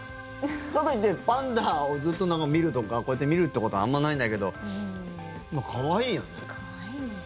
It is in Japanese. かといってパンダをずっと見るとかこうやって見るということはあんまないんだけど可愛いです。